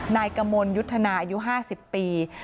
นายกะมวลยุทนาอายุ๕๐ปีนะ